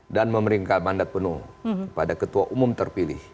dan memberikan mandat penuh kepada ketua umum terpilih